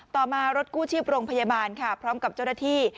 ต่อมารถกู้ชีพโรงพยาบาลค่ะพร้อมกับเจ้าหน้าที่